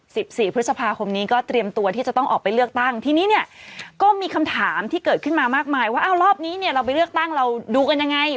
สิบสี่พฤษภาคมนี้ก็เตรียมตัวที่จะต้องออกไปเลือกตั้งทีนี้เนี่ยก็มีคำถามที่เกิดขึ้นมามากมายว่าอ้าวรอบนี้เนี่ยเราไปเลือกตั้งเราดูกันยังไง